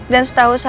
dan setahu saya